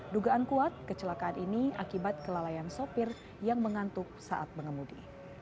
dugaan kuat kecelakaan ini akibat kelalaian sopir yang mengantuk saat mengemudi